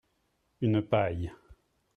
Une paille